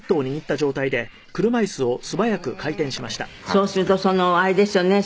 「そうするとあれですよね？」